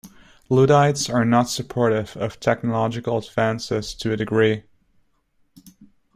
Luddites are not supportive of technological advances to a degree.